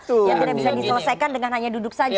yang tidak bisa diselesaikan dengan hanya duduk saja